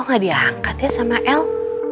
kok gak diangkatnya sama elle